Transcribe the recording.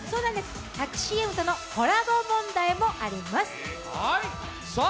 タクシー部とのコラボ問題もあります。